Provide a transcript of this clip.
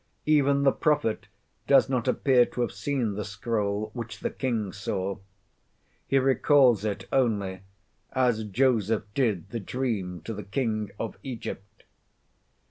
Even the prophet does not appear to have seen the scroll, which the king saw. He recals it only, as Joseph did the Dream to the King of Egypt.